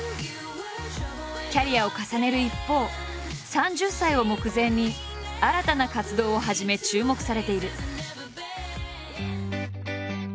キャリアを重ねる一方３０歳を目前に新たな活動を始め注目されている。